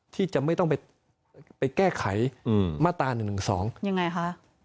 ที่จะไม่ต้องไปแก้ไขมาตรา๑๑๒ยังไงคะ